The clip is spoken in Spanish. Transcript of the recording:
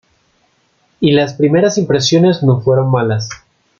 Y las primeras impresiones no fueron malas.